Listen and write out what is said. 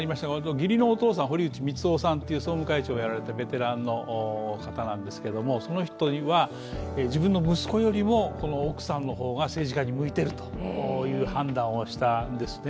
義理のお父さんが総務会長をやられたベテランの方なんですけどその人は、自分の息子よりも奥さんの方が政治家に向いているという判断をしたんですね。